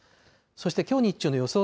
そしてきょう日中の予想